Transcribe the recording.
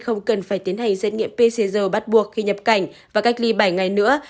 không cần phải tiến hành xét nghiệm pcr bắt buộc khi nhập cảnh và cách ly bảy ngày nữa